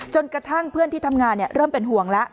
จนกระทั่งเพื่อนที่ทำงานเริ่มเป็นห่วงแล้ว